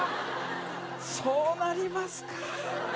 そうなりますか。